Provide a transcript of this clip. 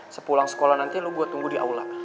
sepulang sekolah nanti lo gue tunggu di aula